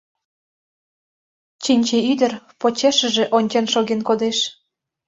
Чинче ӱдыр почешыже ончен шоген кодеш.